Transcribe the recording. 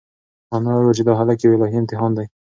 انا وویل چې دا هلک یو الهي امتحان دی.